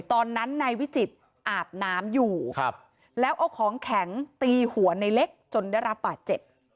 ตอนนั้นนายวิจิตรอาบน้ำอยู่แล้วเอาของแข็งตีหัวในเล็กจนได้รับบาดเจ็บ